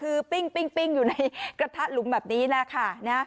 คือปิ้งอยู่ในกระทะหลุมแบบนี้แหละค่ะ